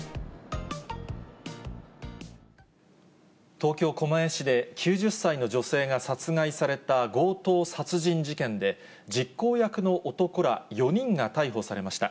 東京・狛江市で、９０歳の女性が殺害された強盗殺人事件で、実行役の男ら４人が逮捕されました。